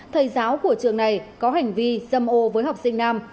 thầy giáo của trường này có hành vi dâm ô với học sinh nam